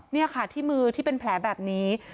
นี่ค่ะที่มือที่เป็นแผลแบบนี้